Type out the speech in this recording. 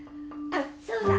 あっそうだ。